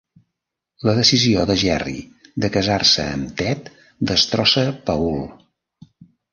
La decisió de Jerry de casar-se amb Ted destrossa Paul.